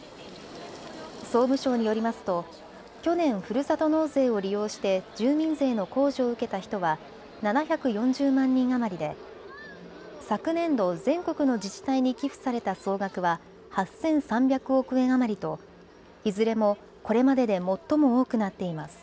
総務省によりますと去年ふるさと納税を利用して住民税の控除を受けた人は７４０万人余りで昨年度全国の自治体に寄付された総額は８３００億円余りといずれもこれまでで最も多くなっています。